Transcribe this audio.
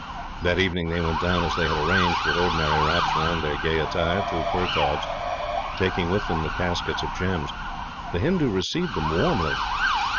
That evening they went down, as they had arranged, with ordinary wraps round their gay attire, to Pertaub's, taking with them the caskets of gems. The Hindoo received them warmly.